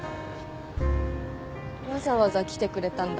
わざわざ来てくれたんだ？